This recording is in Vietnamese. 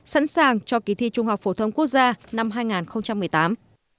sẵn sàng cho kỳ thi trung học phổ thông quốc gia năm hai nghìn một mươi tám